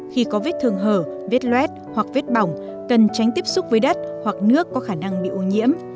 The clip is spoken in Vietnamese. khi có vết thương hở vết luet hoặc vết bỏng cần tránh tiếp xúc với đất hoặc nước có khả năng bị ô nhiễm